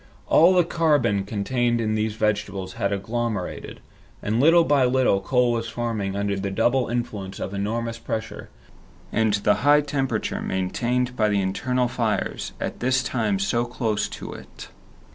All the carbon contained in these vegetables had agglomerated, and little by little coal was forming under the double influence of enormous pressure and the high temperature maintained by the internal fires, at this time so close to it.